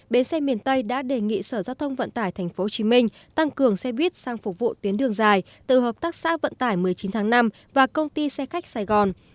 bến xe miền tây đã đề nghị sở giao thông vận tải tp hcm tăng cường xe buýt sang phục vụ tuyến đường dài từ hợp tác xã vận tải một mươi chín tháng năm và công ty xe khách sài gòn